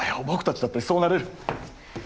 僕たちだってそうなれる。